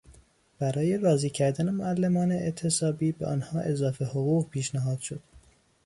برای راضی کردن معلمان اعتصابی به آنها اضافه حقوق پیشنهاد شد.